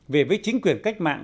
về với chính quyền cách mạng